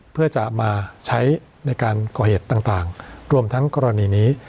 เพื่อจะมาใช้ในการก่อเหตุต่างรวมทั้งกรณีนี้